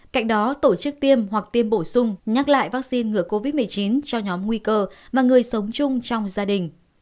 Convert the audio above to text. cạnh đó tổ chức tiêm hoặc tiêm bổ sung nhắc lại vaccine ngừa covid một mươi chín cho nhóm nguy cơ mà người sống chung trong gia đình